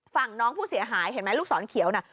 ฝั่งน้องผู้เสียหายเห็นไหมลูกศรเขียวน่ะ